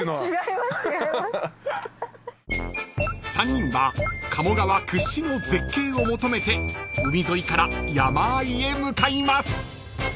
［３人は鴨川屈指の絶景を求めて海沿いから山あいへ向かいます］